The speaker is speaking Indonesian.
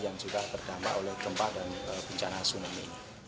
yang juga terdampak oleh gempa dan bencana tsunami